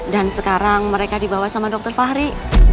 dan sekarang mereka dibawa sama dr fahri